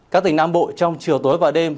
các tỉnh nam bộ trong chiều tối và đêm